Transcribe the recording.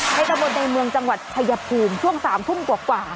ให้กระบวนในเมืองจังหวัดพยาบคุณช่วง๓ทุ่มกว่าค่ะ